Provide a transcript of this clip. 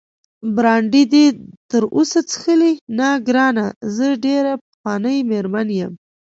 برانډي دې تراوسه څښلی؟ نه ګرانه، زه ډېره پخوانۍ مېرمن یم.